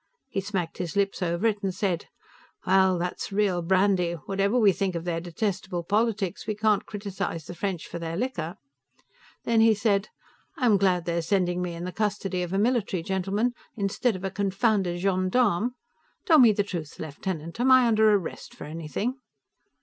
He smacked his lips over it and said, "Well, that's real brandy; whatever we think of their detestable politics, we can't criticize the French for their liquor." Then, he said, "I'm glad they're sending me in the custody of a military gentleman, instead of a confounded gendarme. Tell me the truth, lieutenant; am I under arrest for anything?"